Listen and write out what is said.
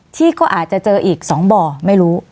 ที่ก็อาจจะเจออีก๒บ่อไม่รู้